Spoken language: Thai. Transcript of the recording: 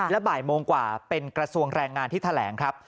และบ่ายโมงกว่าเป็นกระทรวงแรงงานที่แถลงครับ